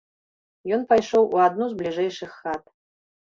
Ён пайшоў у адну з бліжэйшых хат.